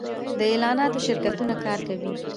د اعلاناتو شرکتونه کار کوي